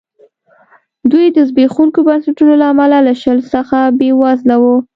دوی د زبېښونکو بنسټونو له امله له شل څخه بېوزله وو.